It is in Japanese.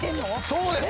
そうです！